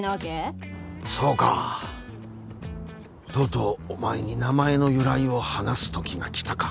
そうかとうとうお前に名前の由来を話す時が来たか。